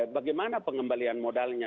bagaimana pengembalian modalnya